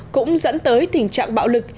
cũng dẫn tới tình trạng bạo lực